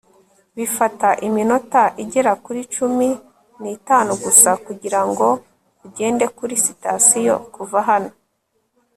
bifata iminota igera kuri cumi n'itanu gusa kugirango ugende kuri sitasiyo kuva hano